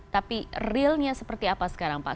tapi realnya seperti apa sekarang pak